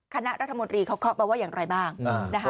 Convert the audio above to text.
คณะรัฐมนตรีเขาเคาะมาว่าอย่างไรบ้างนะคะ